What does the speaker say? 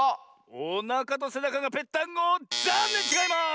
「おなかとせなかがぺっタンゴ」ざんねんちがいます！